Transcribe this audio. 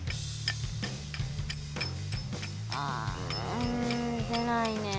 ああでないね。